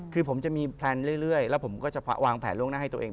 คือผมจะมีแพลนเรื่อยแล้วผมก็จะวางแผนล่วงหน้าให้ตัวเอง